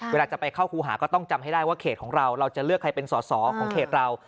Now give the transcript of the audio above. เวลาจะไปเข้าครูหาก็ต้องจำให้ได้ว่าเขตของเราเราจะเลือกใครเป็นสอสอของเขตเรา